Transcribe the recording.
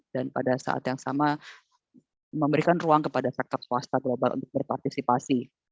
dan pada saat yang sama memberikan ruang kepada sektor swasta global untuk berpartisipasi